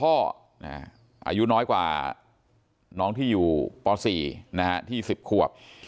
อายุน้อยกว่าน้องที่อยู่ป๔ที่๑๐ขวบ